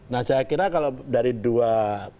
nah saya kira kalau dari dua